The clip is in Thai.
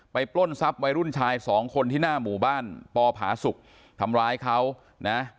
ปล้นทรัพย์วัยรุ่นชายสองคนที่หน้าหมู่บ้านปอผาสุกทำร้ายเขานะ